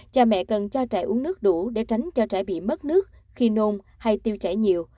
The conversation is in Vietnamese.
cha mẹ cần cho trẻ uống nước đủ để tránh cho trẻ bị mất nước khi nôn hay tiêu chảy nhiều